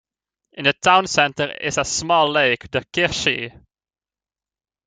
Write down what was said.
In the town centre is a small lake, the Kirchsee.